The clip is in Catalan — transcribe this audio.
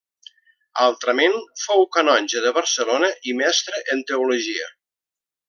Altrament fou canonge de Barcelona i mestre en teologia.